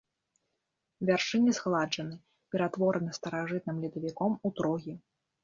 Вяршыні згладжаны, ператвораны старажытным ледавіком у трогі.